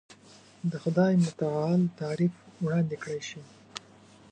د خدای متعالي تعریف وړاندې کړای شي.